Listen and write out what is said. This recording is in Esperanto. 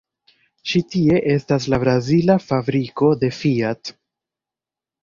Ĉi tie estas la brazila fabriko de Fiat.